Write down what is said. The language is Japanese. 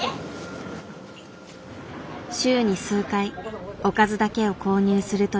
週に数回おかずだけを購入するという女性。